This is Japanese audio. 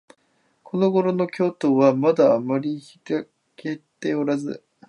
このころの京都は、まだあまりひらけておらず、